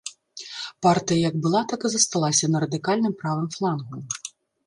Партыя як была, так і засталася на радыкальным правым флангу.